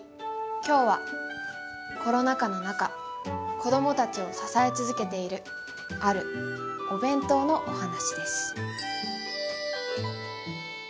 今日はコロナ禍の中子どもたちを支え続けているあるお弁当のお話です。